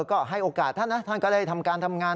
ก็ให้โอกาสท่านนะท่านก็ได้ทำการทำงาน